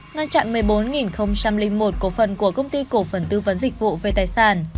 ngăn chặn một mươi bốn một cổ phần của công ty cổ phần tư vấn dịch vụ về tài sản